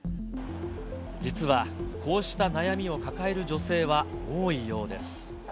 実は、こうした悩みを抱える女性は多いようです。